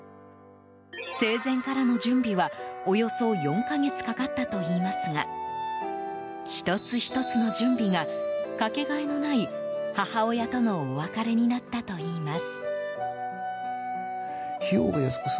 生前からの準備はおよそ４か月かかったといいますが１つ１つの準備がかけがえのない母親とのお別れになったといいます。